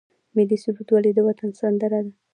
ملي سرود ولې د وطن سندره ده؟